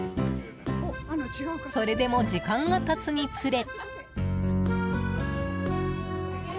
それでも時間が経つにつれ。